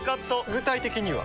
具体的には？